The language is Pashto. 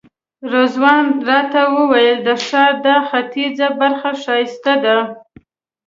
رضوان راته وویل د ښار دا ختیځه برخه ښایسته ده.